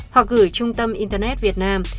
hoặc gửi trung tâm internet việt nam